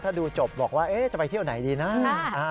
ถ้าดูจบบอกว่าจะไปเที่ยวไหนดีนะ